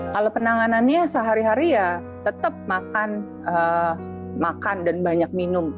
kalau penanganannya sehari hari ya tetap makan dan banyak minum